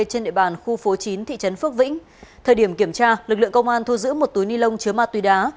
trên địa bàn khu phố chín thị trấn phước vĩnh thời điểm kiểm tra lực lượng công an thu giữ một túi ni lông chứa ma túy đá